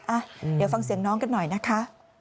อ่ะเดี๋ยวฟังเสียงน้องกันหน่อยนะคะ